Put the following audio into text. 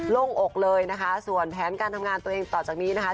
ลงอกเลยนะคะส่วนแผนการทำงานตัวเองต่อจากนี้นะคะ